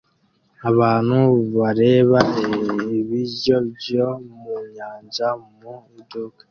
Abantu bareba ibiryo byo mu nyanja mu iduka